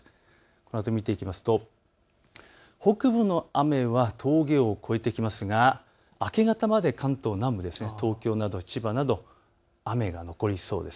このあと見ていきますと北部の雨は峠を越えてきますが明け方まで関東南部、東京や千葉など雨が残りそうです。